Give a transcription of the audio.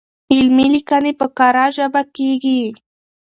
علمي ليکنې په کره ژبه کيږي.